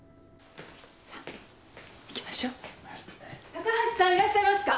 高橋さんいらっしゃいますか？